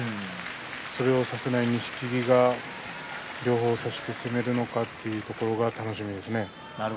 それをさせない錦木両方、差して攻めるのかとそういった辺りが楽しみです。